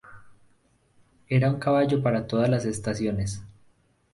Era un caballo para todas las estaciones.